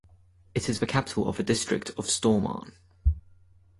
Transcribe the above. It is the capital of the district of Stormarn.